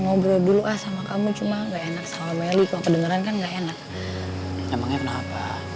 ngobrol dulu ah sama kamu cuma enggak enak sama meli